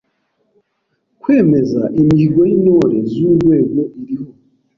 Kwemeza imihigo y’Intore z’urwego iriho;